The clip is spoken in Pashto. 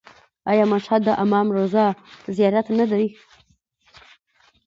آیا مشهد د امام رضا زیارت نه دی؟